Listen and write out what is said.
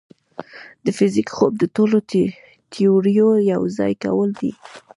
د فزیک خوب د ټولو تیوريو یوځای کول دي.